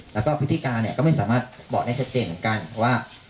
แล้วก็พฤติการเนี่ยก็ไม่สามารถบอกได้ชัดเจนเหมือนกันว่า